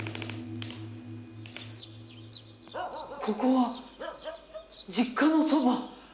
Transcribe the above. ここは実家のそば。